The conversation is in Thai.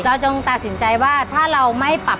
จงตัดสินใจว่าถ้าเราไม่ปรับ